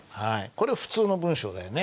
これ普通の文章だよね。